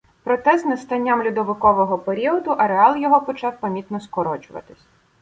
Проте з настанням льодовикового періоду ареал його почав помітно скорочуватись.